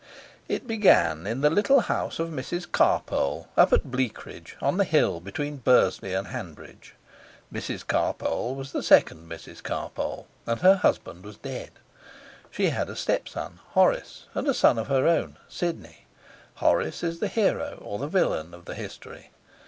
It began in the little house of Mrs Carpole, up at Bleakridge, on the hill between Bursley and Hanbridge. Mrs Carpole was the second Mrs Carpole, and her husband was dead. She had a stepson, Horace, and a son of her own, Sidney. Horace is the hero, or the villain, of the history.